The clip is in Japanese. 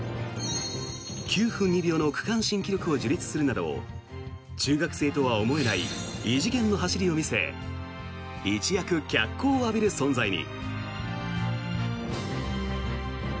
９分２秒の区間新記録を樹立するなど中学生とは思えない異次元の走りを見せ一躍、脚光を浴びる存在に。